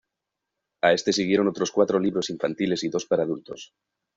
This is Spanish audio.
A este siguieron otros cuatro libros infantiles y dos para adultos.